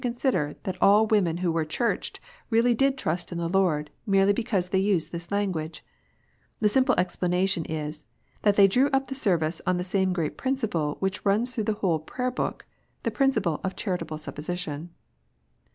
141 sidered that all women who were churched did really trust in the Lord, merely because they used this language 1 The simple explanation is, that they drew up the Service on the same great principle which runs through the whole Prayer book, the principle of charitable supposition.